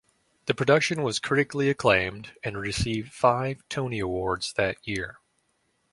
The production was critically acclaimed and received five Tony Awards that year.